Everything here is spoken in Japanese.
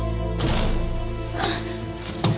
あっ！